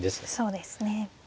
そうですね。